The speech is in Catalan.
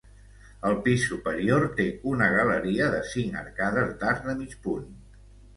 El pis superior té una galeria de cinc arcades d'arc de mig punt.